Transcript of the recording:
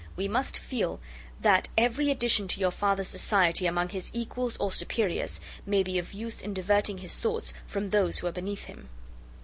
We must feel that every addition to your father's society, among his equals or superiors, may be of use in diverting his thoughts from those who are beneath him."